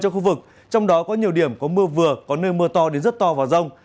trong khu vực trong đó có nhiều điểm có mưa vừa có nơi mưa to đến rất to và rông